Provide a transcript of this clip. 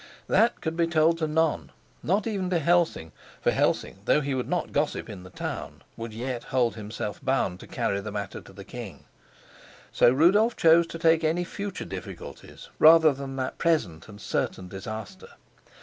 That could be told to none, not even to Helsing; for Helsing, though he would not gossip to the town, would yet hold himself bound to carry the matter to the king. So Rudolf chose to take any future difficulties rather than that present and certain disaster.